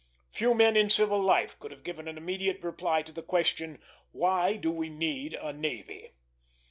Few men in civil life could have given an immediate reply to the question, Why do we need a navy?